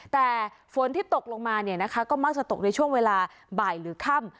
แต่ฝนที่ตกลงมาเนี่ยนะคะก็มักจะตกในช่วงเวลาบ่ายหรือค่ำ